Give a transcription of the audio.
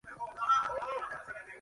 Shimizu le había visto en plena cita.